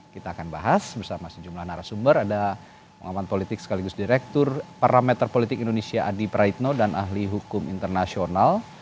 kita akan bahas bersama sejumlah narasumber ada pengaman politik sekaligus direktur parameter politik indonesia adi praitno dan ahli hukum internasional